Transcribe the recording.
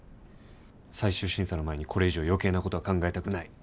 最終審査の前にこれ以上余計なことは考えたくない。